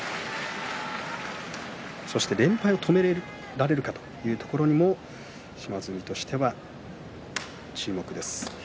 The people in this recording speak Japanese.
そして連敗を止められるかというところにも島津海としては注目です。